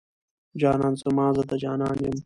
جانان زما، زه د جانان يم